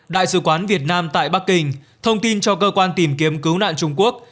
đại sứ quán việt nam tại bắc kinh thông tin cho cơ quan tìm kiếm cứu nạn trung quốc